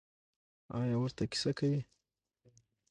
ایا ورته کیسې کوئ؟